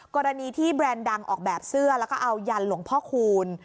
กรณีที่แบรนด์ดังออกแบบเสื้อแล้วก็เอายันหลวงพ่อคูณ